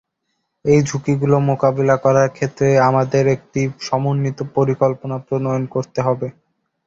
এই ঝুঁকিগুলো মোকাবিলা করার ক্ষেত্রে আমাদের একটি সমন্বিত পরিকল্পনা প্রণয়ন করতে হবে।